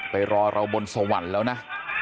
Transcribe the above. ไปรอเราบนสวรรค์เลยเรานะ